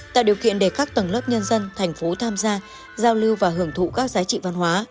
tạo điều kiện để các tầng lớp nhân dân thành phố tham gia giao lưu và hưởng thụ các giá trị văn hóa